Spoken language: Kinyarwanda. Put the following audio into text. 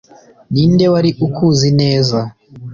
ni nde wari ukuzi neza –